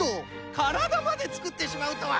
からだまでつくってしまうとは！